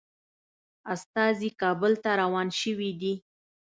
استازي کابل ته روان شوي دي.